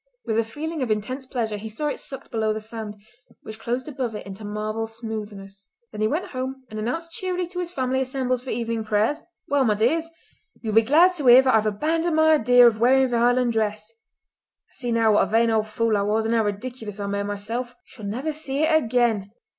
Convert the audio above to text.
With a feeling of intense pleasure he saw it sucked below the sand, which closed above it into marble smoothness. Then he went home and announced cheerily to his family assembled for evening prayers: "Well! my dears, you will be glad to hear that I have abandoned my idea of wearing the Highland dress. I see now what a vain old fool I was and how ridiculous I made myself! You shall never see it again!"